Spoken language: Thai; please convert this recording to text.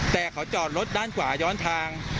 แต่เขาจอดรถด้านขวาย้อนทาง